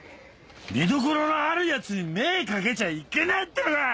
見どころのある奴に目ぇかけちゃいけねえってのかい？